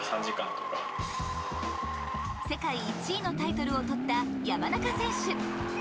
世界１位のタイトルをとった山中選手。